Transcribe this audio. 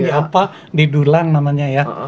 di apa di dulang namanya